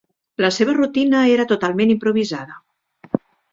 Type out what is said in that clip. La seva rutina era totalment improvisada.